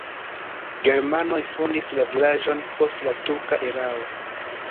Germanoj fondis la vilaĝon post la turka erao.